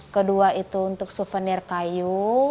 kedua itu untuk souvenir kayu